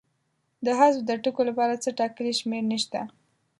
د حذف د ټکو لپاره څه ټاکلې شمېر نشته.